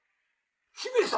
姫様